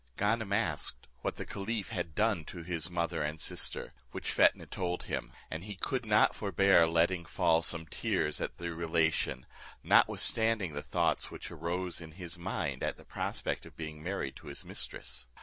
Ganem asked, what the caliph had done to his mother and sister, which Fetnah told him; and he could not forbear letting fall some tears at the relation, notwithstanding the thoughts which arose in his mind at the prospect of being married to his mistress.